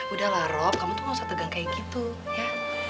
udahlah rob kamu tuh gak usah pegang kayak gitu ya